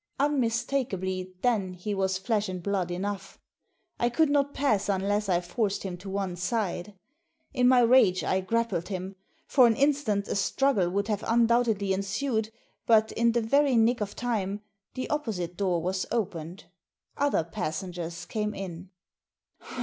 Unmistakably then he was flesh and blood enough. I could not pass unless I forced him to one side. In my rage I grappled him. For an instant a struggle would have undoubtedly ensued, but in the very nick of time the opposite door was opened. Other pas sengers came in.